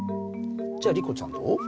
じゃあリコちゃんどう？